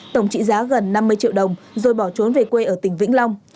tổng trị giá gần năm mươi triệu đồng rồi bỏ trốn về quê ở tỉnh vĩnh long